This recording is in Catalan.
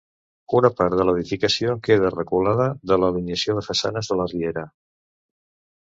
Una part de l'edificació queda reculada de l'alineació de façanes de la Riera.